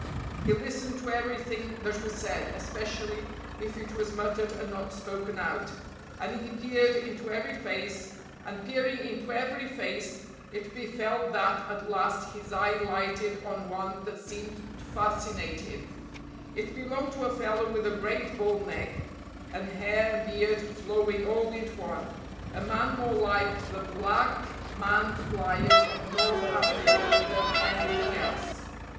He listened to everything that was said, especially if it was muttered and not spoken out; and he peered into every face, and peering into every face it befell that at last his eye lighted on one that seemed to fascinate him; it belonged to a fellow with a great bull neck, and hair and beard flowing all into one a man more like the black maned lion of North Africa than anything else.